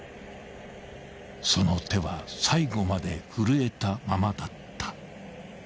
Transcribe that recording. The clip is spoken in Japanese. ［その手は最後まで震えたままだった］